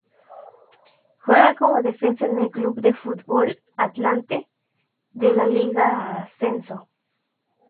Juega como defensa en el Club de Fútbol Atlante, de la Liga de ascenso.